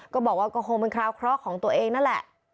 ก็บอกว่าก็คงเป็นคราวเคราะห์ของตัวเองนั่นแหละ